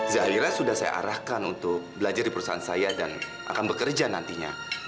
zahira sudah saya arahkan untuk belajar di perusahaan saya dan akan bekerja nantinya